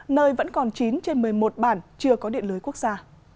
nơi vẫn còn chín trên một mươi một bản chưa có điện lưới quốc gia